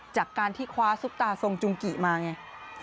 จากการที่คว้าซุปตาทรงจุงกิมาไง